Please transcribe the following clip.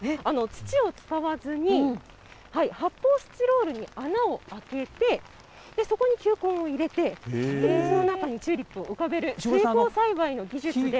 土を使わずに、発泡スチロールに穴を開けて、そこに球根を入れて、水の中にチューリップを浮かべる水耕栽培の技術で。